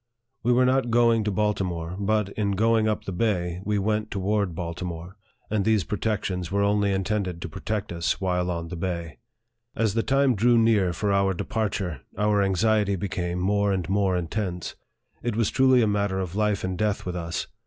We were not going to Baltimore ; but, in going up the bay, we went toward Baltimore, and these protections were only intended to protect us while on the bay. As the time drew near for our departure, our anxiety became more and more intense. It was truly a matter of life and death with us.